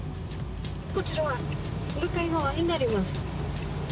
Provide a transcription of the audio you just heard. こちらは向かい側になります。